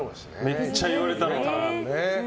めっちゃ言われたろうね。